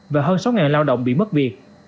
và hơn sáu lao động bị mất việc